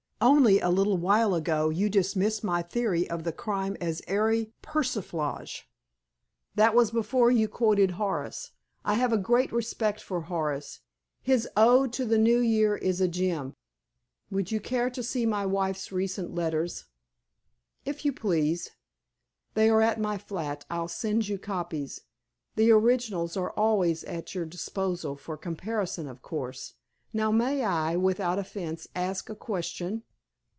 "Only a little while ago you dismissed my theory of the crime as airy persiflage." "That was before you quoted Horace. I have a great respect for Horace. His ode to the New Year is a gem." "Would you care to see my wife's recent letters?" "If you please." "They are at my flat, I'll send you copies. The originals are always at your disposal for comparison, of course. Now may I, without offense, ask a question?"